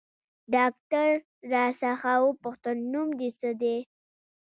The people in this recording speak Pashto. ډاکتر راڅخه وپوښتل نوم دې څه ديه.